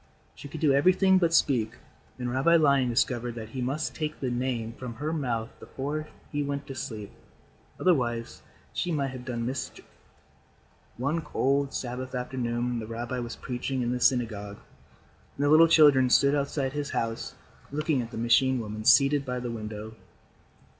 She could do everything but speak, and Rabbi Lion discovered that he must take the Name from her mouth before he went to sleep. Otherwise, she might have done mischief. One cold Sabbath afternoon, the rabbi was preaching in the synagogue and the little children stood outside his house looking at the machine woman seated by the window.